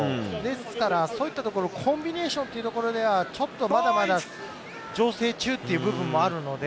だからそういったところ、コンビネーションというところではまだまだ調整中というところもあるので。